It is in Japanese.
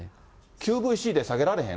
ＱＶＣで下げられへん？